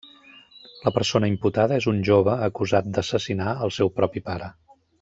La persona imputada és un jove acusat d'assassinar al seu propi pare.